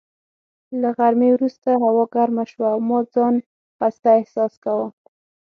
له غرمې وروسته هوا ګرمه شوه او ما ځان خسته احساس کاوه.